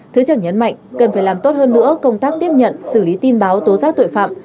thứ trưởng nhấn mạnh cần phải làm tốt hơn nữa công tác tiếp nhận xử lý tin báo tố giác tội phạm